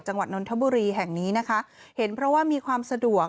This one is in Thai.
นนทบุรีแห่งนี้นะคะเห็นเพราะว่ามีความสะดวก